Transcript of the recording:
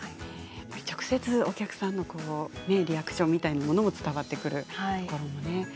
直接お客さんのリアクションみたいなものも伝わってくるところもね。